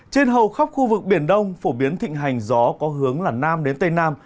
trên hầu khắp khu vực biển đông phổ biến thịnh hành gió có hướng là nam đến tây nam